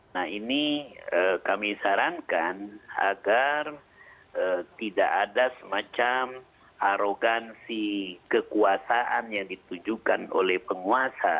nah ini kami sarankan agar tidak ada semacam arogansi kekuasaan yang ditujukan oleh penguasa